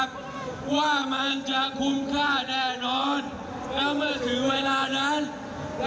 ร่วมกันค่ะสนับสนุนสมรสเท่าเทียมไปให้ถึงฝั่ง